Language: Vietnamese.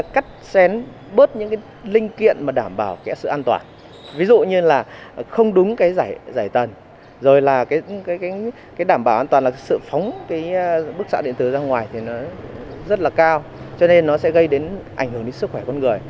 cắt xén bớt những cái linh kiện mà đảm bảo cái sự an toàn ví dụ như là không đúng cái giải tần rồi là cái đảm bảo an toàn là sự phóng cái bức xạ điện tử ra ngoài thì nó rất là cao cho nên nó sẽ gây đến ảnh hưởng đến sức khỏe con người